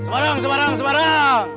semarang semarang semarang